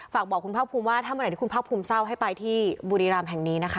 ฝากบอกคุณภาคภูมิว่าถ้าเมื่อไหร่ที่คุณภาคภูมิเศร้าให้ไปที่บุรีรำแห่งนี้นะคะ